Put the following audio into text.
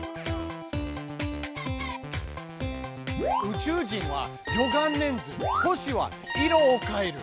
宇宙人は「魚眼レンズ」星は「色を変える」。